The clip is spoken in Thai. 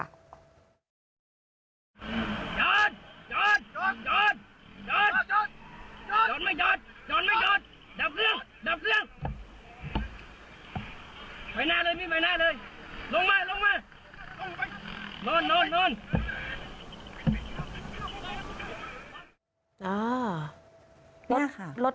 อ่า